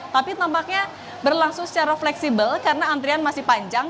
tapi tampaknya berlangsung secara fleksibel karena antrian masih panjang